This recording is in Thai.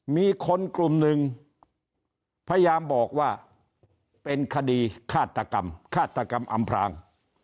มีคนกลุ่มหนึ่งพยายามบอกว่าเป็นคดีฆาตกรรมฆาตกรรมอำพราง